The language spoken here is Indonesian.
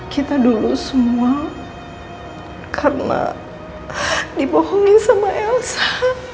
kita dulu semua karena dibohongi sama elsa